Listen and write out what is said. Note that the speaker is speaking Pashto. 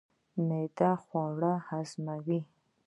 معده خواړه هضموي.